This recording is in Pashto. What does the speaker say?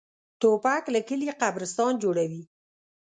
توپک له کلي قبرستان جوړوي.